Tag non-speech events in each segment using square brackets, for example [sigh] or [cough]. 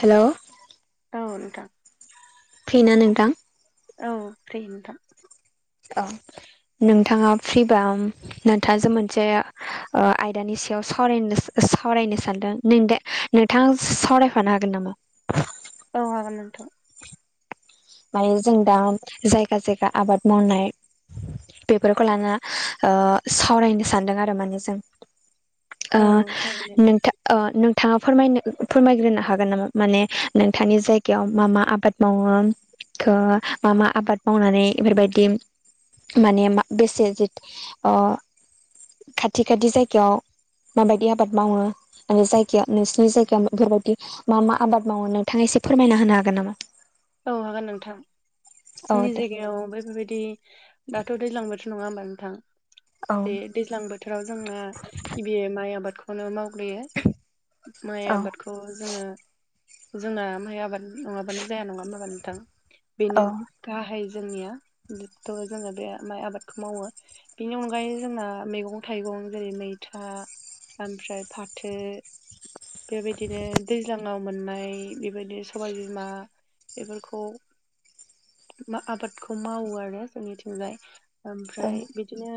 Hello औ नोंथां। फ्रिना नोंथां? औ फ्रि नोंथां। औ नोंथाङा फ्रिबा नोंथाजों मोनसे ओ आयदानि सायाव सावरायनो सा- ओ सावरायनो सानदों नों दा नोंथाङा सावरायफानो हागोन नामा? [inaudible] औ हागोन नोंथां। मानि जों दा जायगा जायगा आबाद मावनाय बेफोरखौ लाना ओ सावरायनो सानदों आरो माने जों। ओ औ जागोन नोंथां नोंथा ओ नोंथाङा फोरमायनो फोरमायग्रोनो हागोन नामा माने नोंथांनि जायगायाव मा मा आबाद मावो? खो मा मा आबाद मावनानै इफोरबायदि माने मा- बेसे जि ओ खाथि खाथि जायगायाव माबायदि आबाद मावो? आरो जायगायाव नोंसिनि जायगायाव बेफोरबायदि मा मा आबाद मावो नोंथाङा एसे फोरमायना होनो हागोन नामा? औ हागोन नोंथां। औ जोंनि दे जायगायाव बेफोरबायदि दाथ' दैज्लां बोथो नङा होमबा नोंथां? औ बे दैज्लां बोथोराव जोंना गिबि माइ आबादखौनो मावग्रोयो। माइ औ आबाद खौ जोङो जोंना माय आबाद नङाबानो जाया नङा होनबा नोंथां। बेनो गाहाय जोंनिया थ' जोङो बे माइ आबादखौ मावो। बेनि अनगायै जोंना मैगं थाइगं जेरै मैथा ओमफ्राय फाथो बेबायदिनो दैज्लाङाव मोननाय बेबायदिनो सबाय बिमा बेफोरखौ मा आबादखौ मावो आरो जोंनिथिंजाय। ओमफ्राय बिदिनो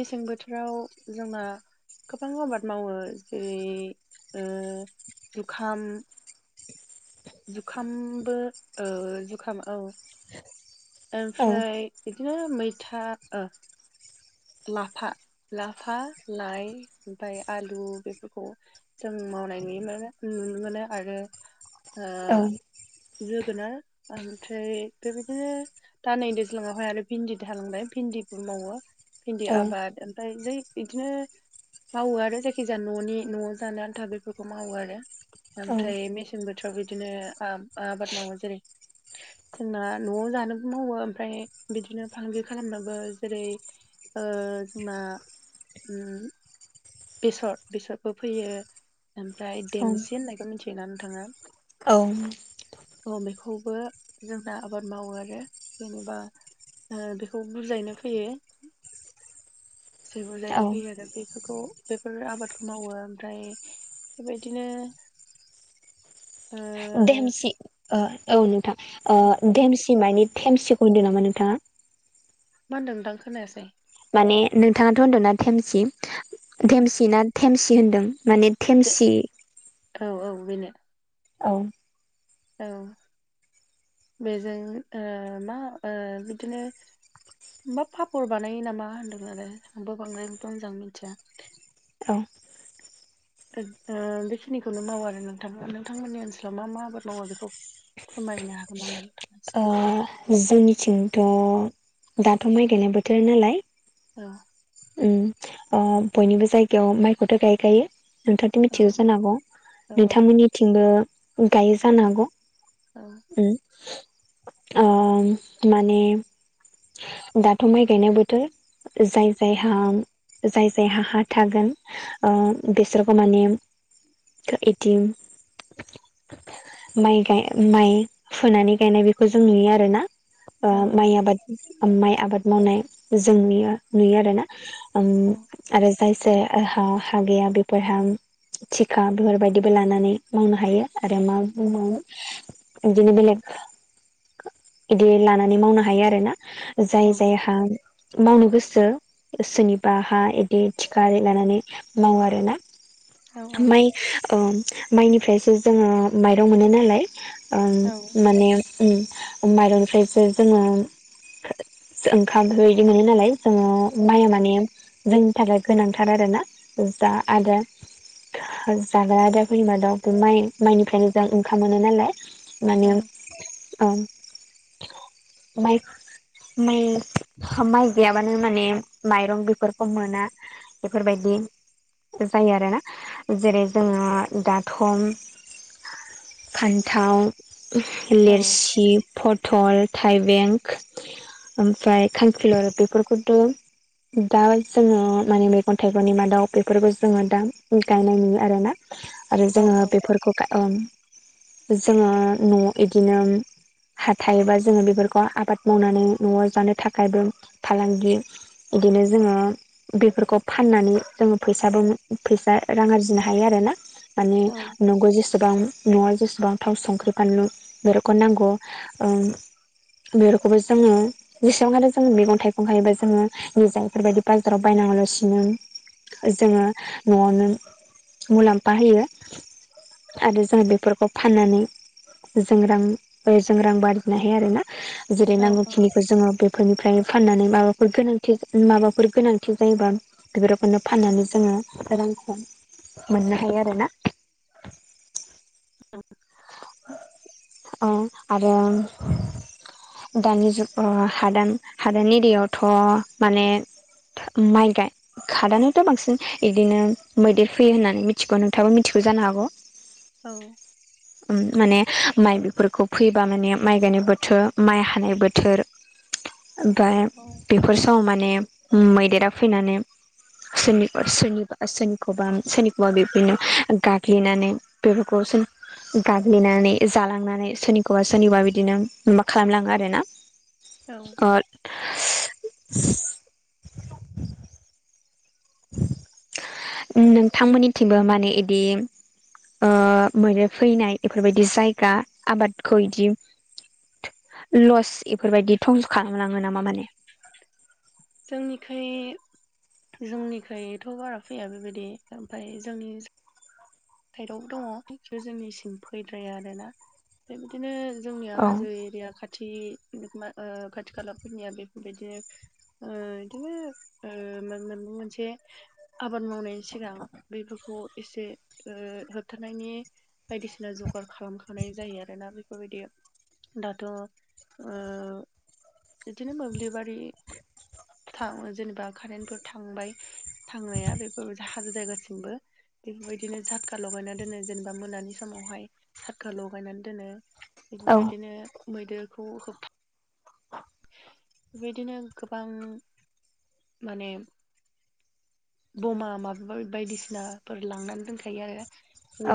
मेसें बोथोराव जोंना गोबां आबाद मावो जेरै ओ जुखाम जुखामबो ओ जुखाम औ ओमफ्राय इदिनो मैथा ओ लाफा लाफा लाइ ओमफ्राय आलु बेफोरखौ जों मावनाय नुनो मोनो आरो ओ औ जोगोनार ओमफ्राय बेबायदिनो दा नै दैज्लाङावहाय आरो भिन्दि थालांबाय भिन्दिबो मावो भिन्दि आबाद ओमफ्राय जै बिदिनो मावो आरो जायखिजाया न'नि न'आव जानो आन्था बेफोरखौ मावो आरो। ओमफ्राय मेसें बोथोराव बिदिनो आबाद मावो जेरै जोंना न'आव जानोबो मावो ओमफ्राय बिदिनो फालांगि खालामनोबो जेरै ओ जोंना ओम बेसर बेसरबो फैयो ओमफ्राय देमसि होननायखौ मिथियोना नोंथाङा? औ बेखौबो जोंहा आबाद मावो आरो जेनेबा ओ बेखौ बुजायनो फैयो। जेबो औ जायैनो फैयो आरो बेफोरखौ बेफोर आबादखौ मावो ओमफ्राय बेबायदिनो ओ देमसि औ नोंथां। औ ओ देमसि मानि थेमसिखौ होनदों नामा नोंथाङा? मा होनदों नोंथां खोनायासै। माने नोंथाङाथ' होनदोंना थेमसि धेमसि ना थेमसि होन्दों माने दे थेमसि औ औ बेनो। औ औ बेजों मा बिदिनो मा पापर बानायो नामा होन्दोंमोन आरो आंबो बांद्राय मोजां मिथिया। औ बेखिनिखौनो मावो आरो नोंथां। नोंथांमोननि ओनसोलाव मा मा आबाद मावो बेखौ फोरमायनो हागोन नामा नोंथां? ओ जोंनिथिंथ' दाथ' माइ गायनाय बोथोर नालाय ओ ओ बयनिबो जायगायाव माइखौथ' गायखायो। नोंथाङाथ' औ मिथिगौ जानो हागौ औ औ नोंथांमोननिथिंबो गायो जानो हागौ। अ ओ माने दाथ' माइ गायनाय बोथोर जाय औ जायहा जाय जायहा हा थागोन बेसोरखौ माने इदिम माइ गाय माइ फुनानै गायनाय बेखौ जों नुयो आरो ना। ओ औ माइ आबाद माइ आबाद मावनाय जों नुयो नुयो आरो ना। आरो जायहा हा गैया बेफोरहा थिखा बेफोरबायदिबो लानानै मावनो हायो आरो मा बुंबावनो बिदिनो बेलेग बिदि लानानै मावनो हायो आरो ना। जाय औ जायहा मावनो गोसो जो सोरनिबा हा इदि थिख लानानै मावो आरो ना। औ औ माइ ओ माइनिफ्रायसो जोङो माइरं मोनो नालाय। ओम औ माने माइरंनिफ्रायसो जोङो ओंखाम बेफोरबायदि मोनो नालाय। जोङो औ माइया माने जोंनि थाखाय गोनांथार आरोना। जा आरो जाग्रा आदारफोरनि मादाव बे माइ माइनिफ्रायनो ओंखाम मोनो नालाय। माने औ औ माइ माइ होमाय गैयाबानो माने माइरं बेफोरखौ मोना बेफोरबायदि जायो आरोना जेरै जोङो दाथ' फान्थाव औ लेरसि, पथल, थाइबें ओमफ्राय खांखिलर बे फोरखौथ' दा जोङो माने मैगं थाइगंनि मादाव बेफोरखौ जोङो दा गायनाय नुयो आरोना। आरो औ जोङो बेफोरखौ जोङो न' इदिनो हाथाय बा जोङो बेफोरखौ आबाद मावनानै न'आव जानो थाखायबो फालांगि बिदिनो जोङो बेफोरखौ फाननानै जोङो फैसाबो फैसा रां आरजिनो हायो आरोना। माने औ नंगौ जेसेबां न'आव जेसेबां थाव संख्रि फानलु बेफोरखौ नांगौ बेफोरखौबो जोङो जेसेबां मोनो जों मेगं थाइ ओंखारबा जोङो निजा बेफोरबायदि बाजाराव बायनाङालासिनो जोङो न'आवनो मुलाम्फा होयो। आरो जोंङा बेफोरखौ फाननानै। जों रां बेजों रां बारदिनो हायो आरोना। जेरै औ नांगौखिनिखौ जोङो बेफोरनिफ्रायनो। फाननानै माबाफोर गोनांथि माबाफोर गोनांथि जायोबा। बेफोरखौनो फाननानै जोङो रांखौ मोननो हायो आरोना। औ। अ आरो दानि जुग अ हादान हादान एरियावथ' माने। माइ गाय खादानावथ' बांसिन इदिनो मैदेर फैयो होननानै मिथिगौ नोंथाङाबो मिथिगौ जानो हागौ। औ। ओम माने माइ बेफोरखौ फैयोबा माने माइ गायनाय बोथो माइ हानाय बोथोर। ओमफाय औ। बेफोर समाव माने उम मैदेरा फैनानै। सोरनिबा सोरनिबा सोरनिखौबा सोरनिखौबा बिबदिनो गाग्लिनानै। [inaudible] [inaudible] गाग्लिनानै जालांनानै सोरनिखौबा सोरनिबा बिदिनो माबा खालामलाङो आरो ना। औ। [inaudible] नोंथांमोननिथिंबो माने इदि ओ मैदेर फैनाय। एफोरबायदि जायगा आबादखौ इदि लस एफोरबायदि थंस' खालामलाङो नामा माने? जोंनिखै जोंनिखैथ' बारा फैया बेबायदि ओमफाय जोंनि साइदआव बो दङ खिनथु जोंनिसिम फैद्राया आरो ना। बे बादिनो जोंनिया औ हाजो एरिया खा थि मा ओ खाथि खालाफोरनिया बेफोरबायदिनो। ओ इदिनो ओ मोन मोन मोनसे। आबाद मावनायनि सिगां बेफोरखौ एसे। ओ होबथानायनि बायदिसिना जगार खालामखा नाय जायो आरोना। बेफोरबायदि दाथ' बिदिनो मोब्लिबारि थां जेनेबा कारेन्टफोर थांबाय। थांनाया बेफोरबायदि हाजो जायगासिमबो बेफोरबायदि। बिदिनो झाटका लगायना दोनो जेनेबा मोनानि समावहाय झाटका लगायनानै दोनो। औ बेफोरबायदिनो मैदेरखौ होबथा बेबायदिनो गोबां माने बमा माबा बायदिसिनाफोर लांनानै दोनखायो आरो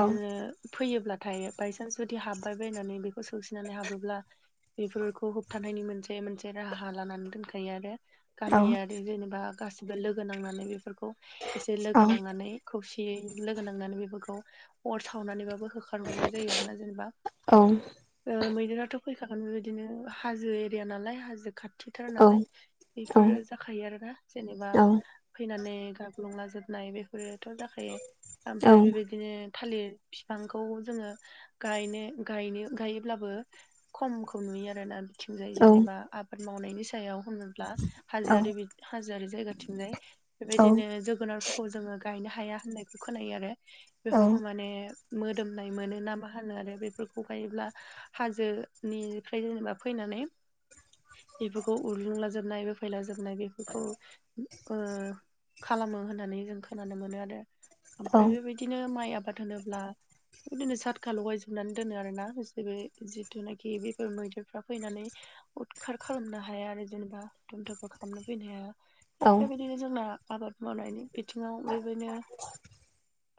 औ फैयोब्लाथाय बायसान्स जुदि हाब्बाय बायनानै बेखौ सौसिनानै हाबोब्ला। बेफोरखौ होबथानायनि मोनसे मोनसे राहा लानानै दोनखायो आरो। औ गामियारि जेनेबा गासिबो लोगो नांनानै बेफोरखौ एसे औ लोगो नांनानै। खौसेयै लोगो नांनानै बेफोरखौ अर सावनानैबाबो होखा रहरनाय जायो आरो ना जेनेबा औ ओ मैदेराथ' फैखागोन बे बेबायदिनो हाजो एरिया नालाय हाजो खा थिथार औ नालाय बेफोरो जाखायो आरोना। जेनेबा औ फैनानै गाग्लुंलाजोबनाय बेफोरोथ' जाखायो। ओमफ्राय औ बेबाय दिनो थालिर बिफांखौ जोङो गायनो गायनो गायोब्लाबो खमखौ नुयो आरोना बिथिंजाय औ जेनेबा आबाद मावनायनि सायाव हो नोब्ला हाजोआरि बि हाजोआरि जायगाथिंजाय औ बेबायदिनो जोगोनारफोर खौ जोङो गायनो हाया होननायखौ खोनायो आरो। बेफोरखौ माने मोदोमनाय मोनो ना मा होनो आरो बेफोरखौ गायोब्ला। हाजोनिफ्राय जेनेबा फैनानै बेफोरखौ उरलुंलाजोबनायबो फैलाजोबनाय बे बेखौ ओ खालामो होननानै जों खोनानो मोनो आरो। ओमफ्राय बेबायदिनो माइ आबाद होनोब्ला बेबायदिनो सातखा लगायजोबनानै दोनो आरोना बेसोरो जिथुनाखि बेफोर मैदेरफ्रा फैनानै उदखार खालामनो हाया आरो जेनेबा दुम दाखाल खालामनो फैनो हाया। दा बेबायदिनो जोंना आबाद मावनायनि बिथिङाव बयबोनो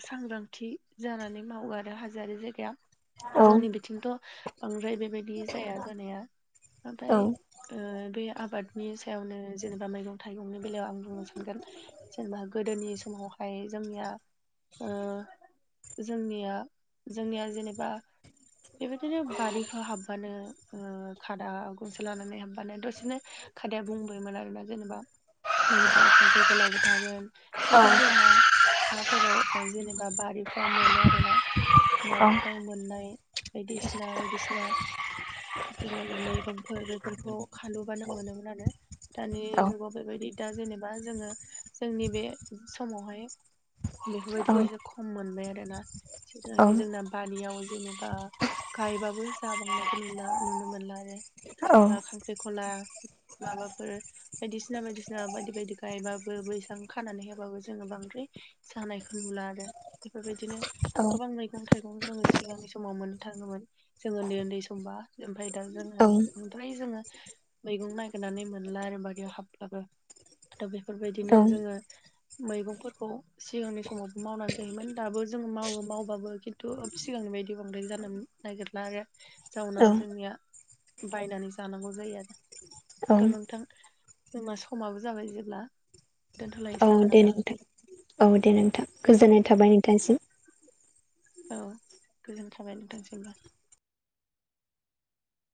सांग्रांथि जानानै मावो आरो हाजोआरि जायगाया। जोंनि बिथिंथ' बांद्राय बेबायदि जाया जानाया। नाथाय औ ओ बे आबाद नि सायावनो जेनेबा मैगं थाइगंनि बेलायाव आं बुंनो सानगोन जेनेबा गोदोनि समावहाय जोंनिया ओ जोंनिया जोंनिया जेनेबा बेबायदिनो बारिफ्राव हाबबानो खादा गनसे लानानै हाबबानो दसेनो खादाया बुंबोमोन आरोना जेनेबा बेबायदिनो खांख्रिखलाबो थागोन औ जायखिजाया फोराव ओ जेनेबा बारिफ्राव मोनो आरो ना। बारिफ्राव मोननाय बायदिसिना बायदिसिना [unintelligible] नागिरनाय मैगंफोर बेफोरखौ खालुबानो मोनोमोन आरो। दानि औ औ जुगाव बेबायदि दा जेनेबा जोङो जोंनि बे समावहाय औ बेफोरबायदिखौ एसे खम मोनबाय आरोना। जेनाखि जोंना बानियाव जेनेबा गायबाबो जाबांनायखौ नुला नुनो मोनला आरो। औ जेनेबा खांख्रिखला माबाफोर बायदिसिना बायदिसिना बायदि बायदि गायबाबो बैसां खानानै होबाबो जोङो बांद्राय जानायखौ नुला आरो। एफोरबायदिनो गोबां मै गं थाइगं जोङो सिगांनि समाव मोननो थाङोमोन जों ओन्दै ओन्दै समबा। ओमफाय दा जोङो बांद्राय जोङो मैगं नागिरनानै मोनला आरो बारियाव हाबब्लाबो। दा बेफोरबायदिनो औ जोङो मैगंफोरखौ सिगांनि समावबो मावनानै जायोमोन। दाबो जों मावो मावबाबो खिन्थु सिगांनि बायदि बांद्राय जानोमोन नागिरला आरो औ जाउनाव जोंनिया बायनानै जानांगौ जायो आरो। औ थ' नोंथां जोंना समाबो जाबाय जेब्ला औ दोनथ'लायनोसै नामा दे नोंथां, औ दे नोंथां औ गोजोननाय थाबाय नोंथांसिम। औ गोजोन थाबाय नोंथांसिमबो।